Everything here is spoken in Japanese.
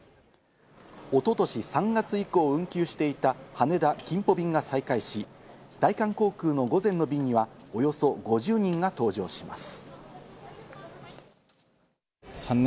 一昨年３月以降、運休していた羽田ーキンポ便が再開し、大韓航空の午前の便にはおよそ５０人が搭乗します。